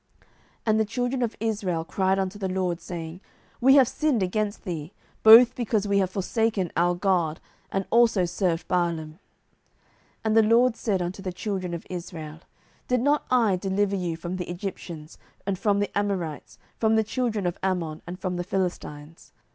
07:010:010 And the children of Israel cried unto the LORD, saying, We have sinned against thee, both because we have forsaken our God, and also served Baalim. 07:010:011 And the LORD said unto the children of Israel, Did not I deliver you from the Egyptians, and from the Amorites, from the children of Ammon, and from the Philistines?